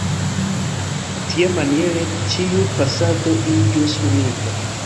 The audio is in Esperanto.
Tiamaniere ĉiu pasado iĝus unika.